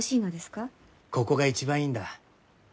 ここが一番いいんだ。